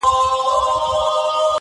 خالقه خدايه ستا د نُور د نقدس نښه ده_